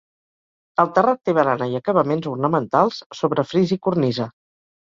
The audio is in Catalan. El terrat té barana i acabaments ornamentals, sobre fris i cornisa.